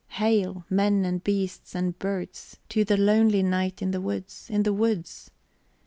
"Hail, men and beasts and birds, to the lonely night in the woods, in the woods!